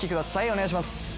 お願いします。